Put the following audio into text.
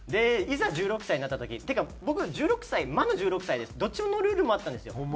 いざ１６歳になった時っていうか僕１６歳魔の１６歳でどっちのルールもあったんですよ。